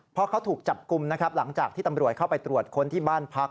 เพราะเขาถูกจับกลุ่มนะครับหลังจากที่ตำรวจเข้าไปตรวจค้นที่บ้านพัก